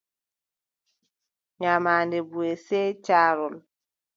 Nyamaande buʼe, sey caarol.